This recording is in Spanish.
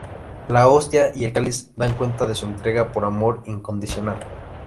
La hostia y el cáliz dan cuenta de su entrega por amor incondicional.